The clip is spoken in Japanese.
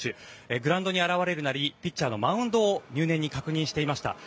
グラウンドに現れるなりピッチャーのマウンドを入念に確認していました。